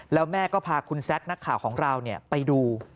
แล้วแม่ก็พาคุณแซคนักข่าวของเราไปดู